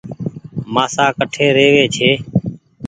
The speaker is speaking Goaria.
مآسآ ڪٺي روي ڇي۔